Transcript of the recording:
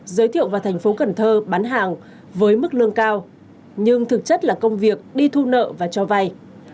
giới thiệu vào thành phố cần thơ bán hàng với mức lương cao nhưng thực chất là công việc đi thu nợ và cho vay